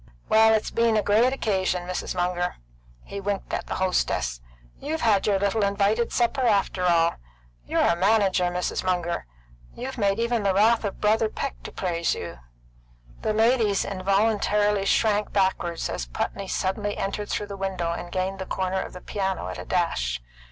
Well, it's been a great occasion, Mrs. Munger." He winked at the hostess. "You've had your little invited supper, after all. You're a manager, Mrs. Munger. You've made even the wrath of Brother Peck to praise you." The ladies involuntarily shrank backward as Putney suddenly entered through the window and gained the corner of the piano at a dash.